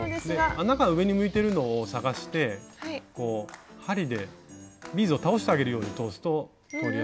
穴が上に向いてるのを探して針でビーズを倒してあげるように通すと通りやすいです。